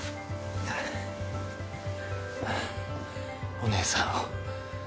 お姉さんを